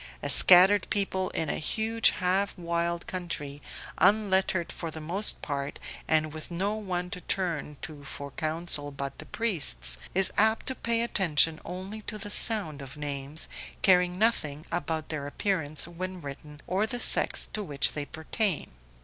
A scattered people in a huge half wild country, unlettered for the most part and with no one to turn to for counsel but the priests, is apt to pay attention only to the sound of names, caring nothing about their appearance when written or the sex to which they pertain.